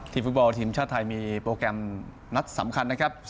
ฟุตบอลทีมชาติไทยมีโปรแกรมนัดสำคัญนะครับ